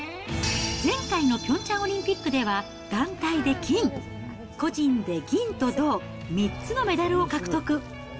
前回のピョンチャンオリンピックでは、団体で金、個人で銀と銅、３つのメダルを獲得。